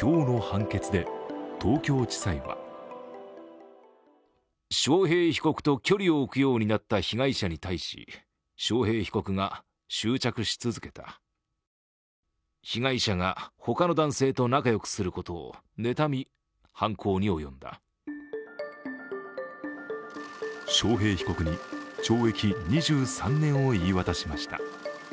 今日の判決で東京地裁は章平被告に懲役２３年を言い渡しました。